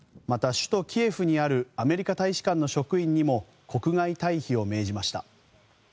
また首都キエフにあるアメリカ大使館の職員にも国外退避を命じました。